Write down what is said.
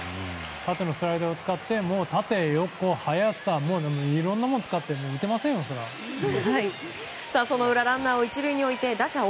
縦のスライダーを使って縦、横、速さいろんなものを使って打てませんよ、そりゃ。